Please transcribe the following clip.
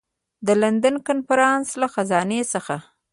د لندن کنفرانس له خزانې څخه.